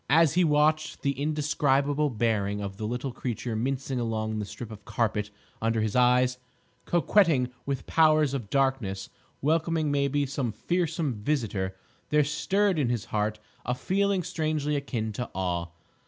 As he watched the indescribable bearing of the little creature mincing along the strip of carpet under his eyes, coquetting with the powers of darkness, welcoming, maybe, some fearsome visitor, there stirred in his heart a feeling strangely akin to awe.